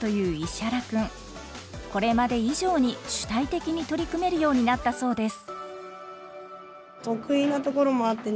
これまで以上に主体的に取り組めるようになったそうです。